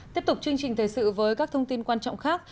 tiếp tục chương trình thời sự với các thông tin quan trọng khác